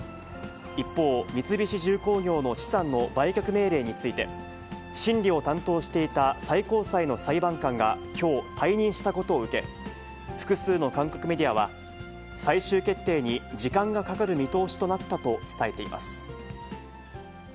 一方、三菱重工業の資産の売却命令について、審理を担当していた最高裁の裁判官がきょう、退任したことを受け、複数の韓国メディアは、最終決定に時間がかかる見通しとなったと伝えています。